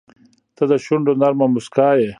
• ته د شونډو نرمه موسکا یې.